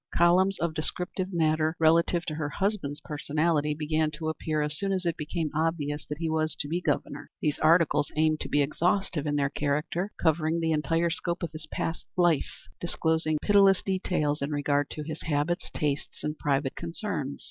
Columns of descriptive matter relative to her husband's personality began to appear as soon as it became obvious that he was to be Governor. These articles aimed to be exhaustive in their character, covering the entire scope of his past life, disclosing pitiless details in regard to his habits, tastes, and private concerns.